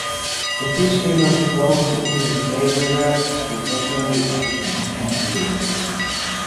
The Peace River flows into the Slave River, a tributary of the Mackenzie River.